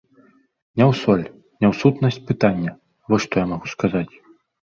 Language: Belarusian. Не ў соль, не ў сутнасць пытання, вось што я магу сказаць.